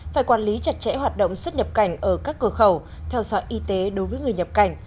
phải quản lý chặt chẽ hoạt động xuất nhập cảnh ở các cửa khẩu theo dõi y tế đối với người nhập cảnh